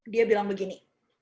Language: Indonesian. dia bilang begini